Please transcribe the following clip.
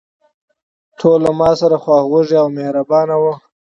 ټول له ماسره خواخوږي او مهربانه وو.